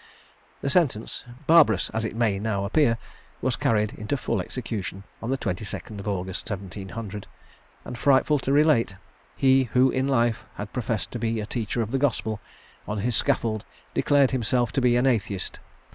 The sentence, barbarous as it may now appear, was carried into full execution on the 22nd of August, 1700; and frightful to relate, he, who in life had professed to be a teacher of the Gospel, on his scaffold declared himself to be an Atheist.